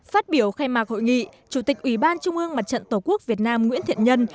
phát biểu khai mạc hội nghị chủ tịch ủy ban trung ương mặt trận tổ quốc việt nam nguyễn thiện nhân